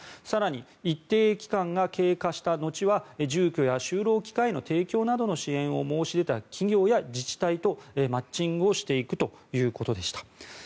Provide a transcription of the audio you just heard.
更に、一定期間が経過した後は住居や就労機会の提供などの支援を申し出た企業や自治体とマッチングをしていくということでした。